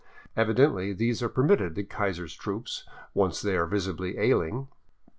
Evidently these are permitted the Kaiser's troops, once they are visibly aiHng.